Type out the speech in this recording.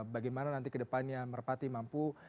bagaimana nanti ke depannya merpati mampu